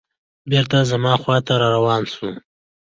بېرته زما خواته روان شو.